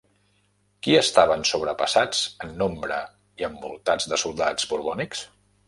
Qui estaven sobrepassats en nombre i envoltats de soldats borbònics?